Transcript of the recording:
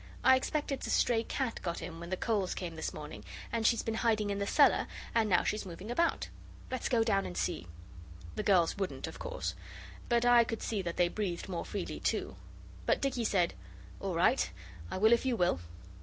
I expect it's a stray cat got in when the coals came this morning, and she's been hiding in the cellar, and now she's moving about. Let's go down and see.' The girls wouldn't, of course; but I could see that they breathed more freely too. But Dicky said, 'All right; I will if you will.